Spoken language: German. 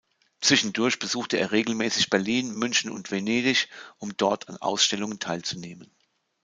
Zwischendurch besuchte er regelmäßig Berlin, München und Venedig, um dort an Ausstellungen teilzunehmen.